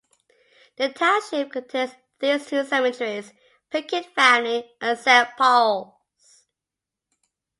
The township contains these two cemeteries: Pickett Family and Saint Paul's.